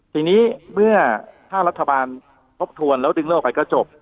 ทีนี้เมื่อถ้ารัฐบาลทบทวนแล้วดึงเรื่องออกไปก็จบ